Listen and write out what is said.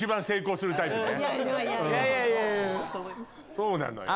そうなのよ。